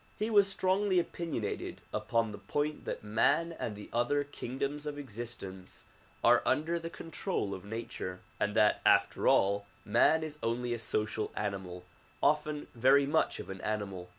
He was strongly opinionated upon the point that man and the other kingdoms of existence are under the control of nature, and that after all, man is only a social animal, often very much of an animal.